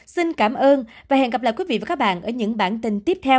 xin cảm ơn và hẹn gặp lại quý vị và các bạn ở những bản tin tiếp theo